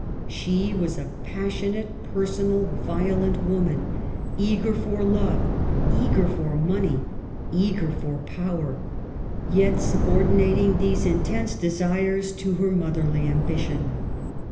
She was a passionate, personal, violent woman, eager for love, eager for money, eager for power, yet subordinating these intense desires to her moth erly ambition.